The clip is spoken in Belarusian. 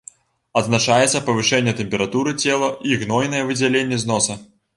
Адзначаецца павышэнне тэмпературы цела і гнойныя выдзяленні з носа.